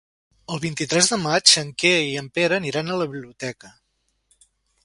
El vint-i-tres de maig en Quer i en Pere iran a la biblioteca.